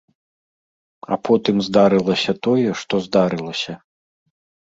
А потым здарылася тое, што здарылася.